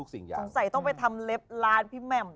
สงสัยต้องไปทำเล็บร้านพี่แหม่ม